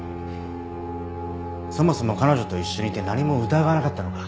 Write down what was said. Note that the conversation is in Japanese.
そもそも彼女と一緒にいて何も疑わなかったのか？